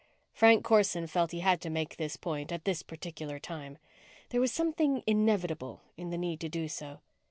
Frank Corson felt he had to make this point at this particular time. There was something inevitable in the need to do so.